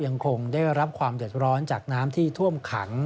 ยังคงได้รับความเดือดร้อนจากน้ำที่ท่วมขัง